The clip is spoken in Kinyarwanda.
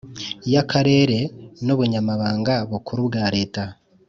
y Akarere n ubunyamabanga bukuru bwa leta